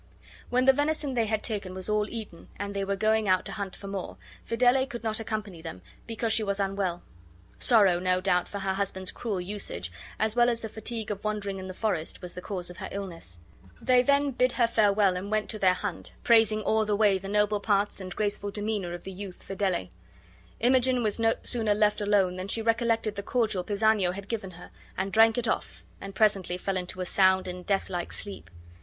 When the venison they had taken was all eaten and they were going out to hunt for more, Fidele could not accompany them because she was unwell. Sorrow, no doubt, for her husband's cruel usage, as well as the fatigue of wandering in the forest, was the cause of her illness. They then bid her farewell, and went to their hunt, praising all the way the noble parts and graceful demeanor of the youth Fidele. Imogen was no sooner left alone than she recollected the cordial Pisanio had given her, and drank it off, and presently fell into a sound and deathlike sleep.